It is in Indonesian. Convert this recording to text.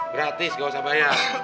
gratis gak usah bayar